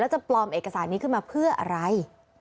จะปลอมเอกสารนี้ขึ้นมาเพื่ออะไร